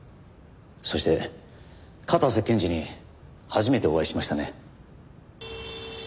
そして片瀬検事に初めてお会いしましたね。